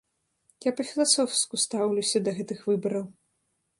Я па-філасофску стаўлюся да гэтых выбараў.